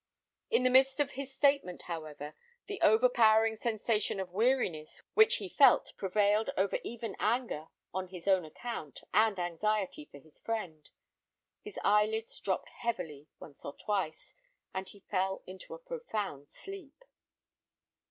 In the midst of his statement, however, the overpowering sensation of weariness which he felt prevailed over even anger on his own account and anxiety for his friend, his eyelids dropped heavily once or twice, and he fell into a profound sleep.